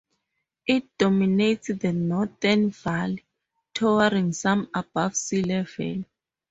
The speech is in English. It dominates the northern valley, towering some above sea level.